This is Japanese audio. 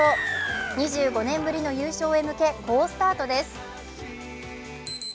２５年ぶりの優勝へ向け好スタートです。